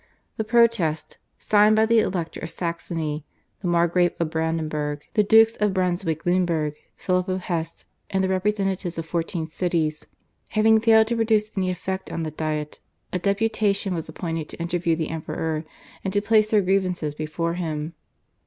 The protest, signed by the Elector of Saxony, the Margrave of Brandenburg, the Dukes of Brunswick Luneburg, Philip of Hesse, and the representatives of fourteen cities, having failed to produce any effect on the Diet, a deputation was appointed to interview the Emperor and to place their grievances before him.